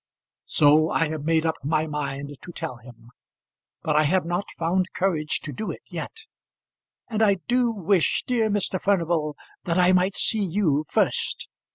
So I have made up my mind to tell him, but I have not found courage to do it yet; and I do wish, dear Mr. Furnival, that I might see you first.